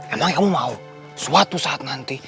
emang kamu mau suatu saat nanti